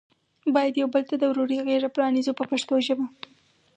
باید یو بل ته د ورورۍ غېږه پرانیزو په پښتو ژبه.